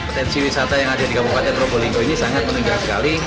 potensi wisata yang ada di kabupaten probolinggo ini sangat meningkat sekali